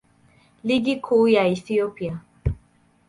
Ligi Kuu ya Ethiopia.